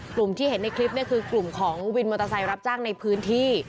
กลุ่มที่เห็นในคลิปเนี่ยคือกลุ่มของวินมอเตอร์ไซค์รับจ้างในพื้นที่